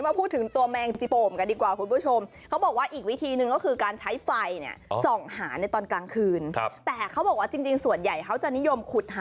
มาพูดถึงตัวแมงจิโปมกันดีกว่าคุณผู้ชม